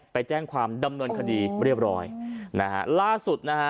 ไปแจ้งความดำเนินคดีเรียบร้อยนะฮะล่าสุดนะฮะ